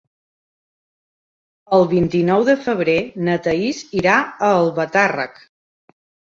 El vint-i-nou de febrer na Thaís irà a Albatàrrec.